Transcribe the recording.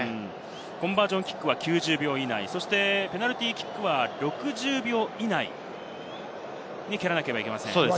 コンバージョンキックは９０秒以内、ペナルティーキックは６０秒以内に蹴らなければいけません。